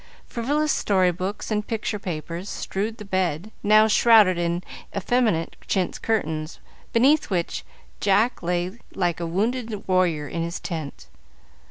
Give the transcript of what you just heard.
Frivolous story books and picture papers strewed the bed, now shrouded in effeminate chintz curtains, beneath which Jack lay like a wounded warrior in his tent.